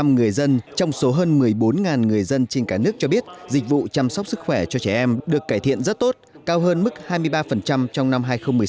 tám mươi người dân trong số hơn một mươi bốn người dân trên cả nước cho biết dịch vụ chăm sóc sức khỏe cho trẻ em được cải thiện rất tốt cao hơn mức hai mươi ba trong năm hai nghìn một mươi sáu